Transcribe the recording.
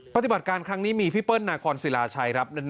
ปฏิบัติการครั้งนี้มีพี่เปิ้ลนาคอนศิลาชัยครับ